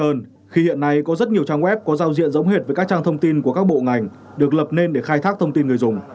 hơn khi hiện nay có rất nhiều trang web có giao diện giống hệt với các trang thông tin của các bộ ngành được lập nên để khai thác thông tin người dùng